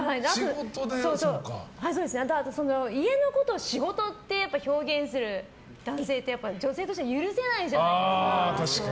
あとは家のことを仕事って表現する男性って女性としては許せないじゃないですか。